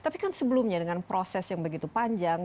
tapi kan sebelumnya dengan proses yang begitu panjang